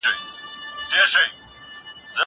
زه اوس کتابونه لوستل کوم!